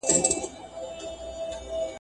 دا وخت له هغه مهم دی!.